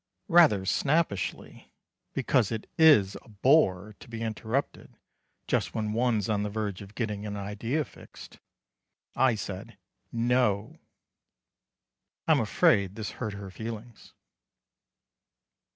Rather snappishly because it is a bore to be interrupted just when one's on the verge of getting an idea fixed I said "No." I'm afraid this hurt her feelings.